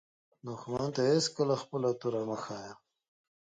دښمن ته هېڅکله خپله توره مه ښایه